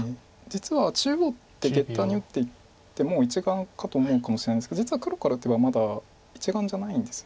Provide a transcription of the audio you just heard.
実は中央ってゲタに打っていてもう１眼かと思うかもしれないんですけど実は黒から打てばまだ１眼じゃないんですよね。